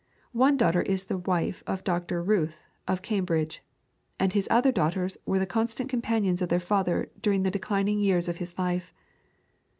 One daughter is the wife of Dr. Routh, of Cambridge, and his other daughters were the constant companions of their father during the declining years of his life.